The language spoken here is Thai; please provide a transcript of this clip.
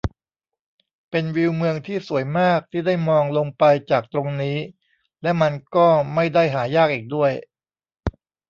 เป็นวิวเมืองที่สวยมากที่ได้มองลงไปจากตรงนี้ และมันก็ไม่ได้หายากอีกด้วย